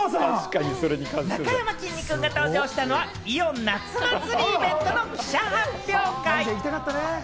なかやまきんに君が登場したのはイオン夏祭りイベントの記者発表会。